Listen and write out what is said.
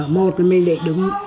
một là mình để đứng